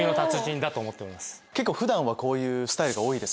結構普段はこういうスタイルが多いですか？